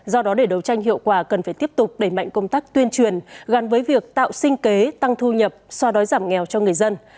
do đó để đấu tranh hiệu quả cần phải tiếp tục đẩy mạnh công tác tuyên truyền gắn với việc tạo sinh kế tăng thu nhập so đói giảm nghèo cho người dân